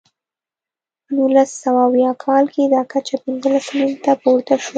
په نولس سوه اویا کال کې دا کچه پنځلس سلنې ته پورته شوه.